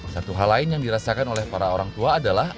satu hal lain yang dirasakan oleh para orang tua adalah